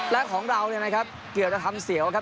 และของเราเนี่ยนะครับเกือบจะทำเสียวครับ